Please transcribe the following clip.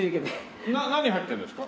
何入ってるんですか？